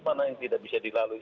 mana yang tidak bisa dilalui